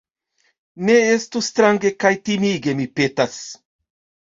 Ne estu strange kaj timige, mi petas